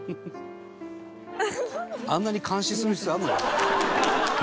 「あんなに監視する必要あるのかな」